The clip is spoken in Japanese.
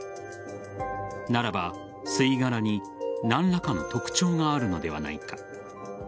ならば、吸い殻に何らかの特徴があるのではないか。